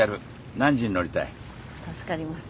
助かります。